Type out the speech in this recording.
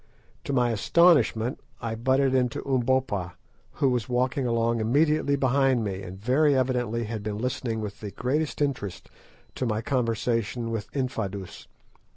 To my astonishment I butted into Umbopa, who was walking along immediately behind me, and very evidently had been listening with the greatest interest to my conversation with Infadoos.